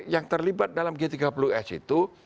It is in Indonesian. yang terlibat dalam g tiga puluh s itu